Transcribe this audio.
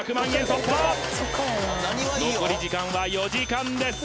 突破残り時間は４時間です